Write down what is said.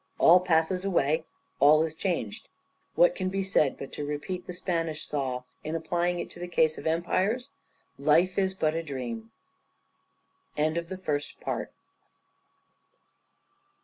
All passes away, all is changed. What can be said but to repeat the Spanish saw, in applying it to the case of empires, "Life is but a dream"? END OF THE FIRST PART.